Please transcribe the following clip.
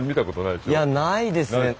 いやないですね。